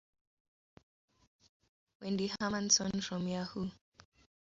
Wendy Hermanson from Yahoo!